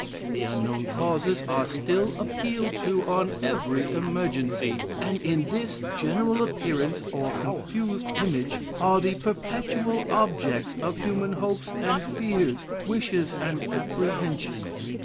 The unknown causes are still appealed to on every emergency; and in this general appearance or confused image, are the perpetual objects of human hopes and fears, wishes and apprehensions.